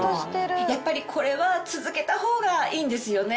やっぱりこれは続けたほうがいいんですよね？